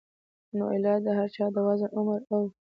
نو علاج د هر چا د وزن ، عمر او